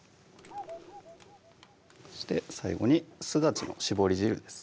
そして最後にすだちの絞り汁です